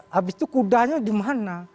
habis itu kudanya dimana